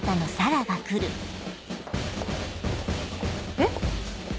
えっ。